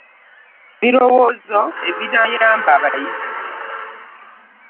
Ebirowoozo ebinaayamba abayizi.